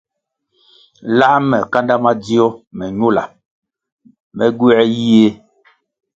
Lā me kanda madzio me ñula, me gywē yie.